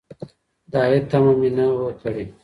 د عاید تمه مې نه وه کړې.